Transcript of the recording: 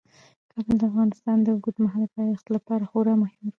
کابل د افغانستان د اوږدمهاله پایښت لپاره خورا مهم رول لري.